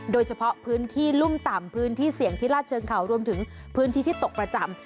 โดยเฉพาะพื้นที่รุ่มต่ำพื้นที่เสี่ยงที่ลาดเชิงเขารวมถึงพื้นที่ที่ตกประจำ